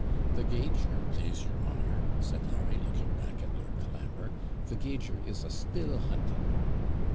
'The gauger, plase your honour,' said Larry, looking back at Lord Colambre; 'the gauger is a STILL HUNTING!'